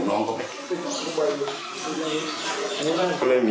พี่น้องของผู้เสียหายแล้วเสร็จแล้วมีการของผู้น้องเข้าไป